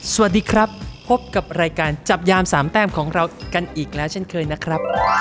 สวัสดีครับพบกับรายการจับยามสามแต้มของเรากันอีกแล้วเช่นเคยนะครับ